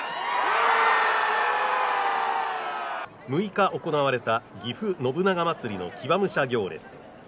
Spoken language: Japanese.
６日行われた、ぎふ信長まつりの騎馬武者行列。